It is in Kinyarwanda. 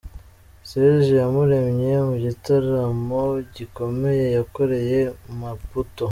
Serge Iyamuremye mu gitaramo gikomeye yakoreye i Maputo.